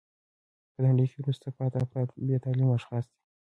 په نړۍ کښي وروسته پاته افراد بې تعلیمه اشخاص دي.